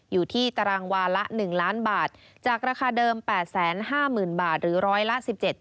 อยู่ที่ตารางวาละ๑ล้านบาทจากราคาเดิม๘๕๐๐๐บาทหรือร้อยละ๑๗